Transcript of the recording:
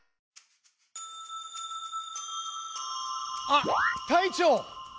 あっ隊長！